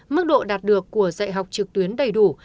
mức độ đạt được của dạy học trực tuyến đầy đủ